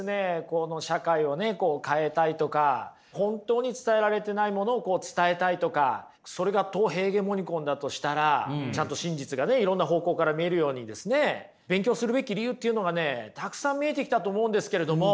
この社会を変えたいとか本当に伝えられてないものを伝えたいとかそれがト・ヘーゲモニコンだとしたらちゃんと真実がねいろんな方向から見えるようにですね勉強するべき理由っていうのがねたくさん見えてきたと思うんですけれども。